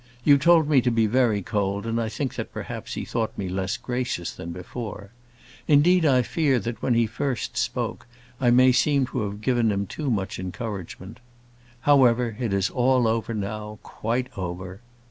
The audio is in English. You told me to be very cold, and I think that perhaps he thought me less gracious than before. Indeed, I fear that when he first spoke, I may seem to have given him too much encouragement. However, it is all over now; quite over!